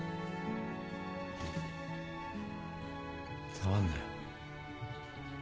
触んなよ。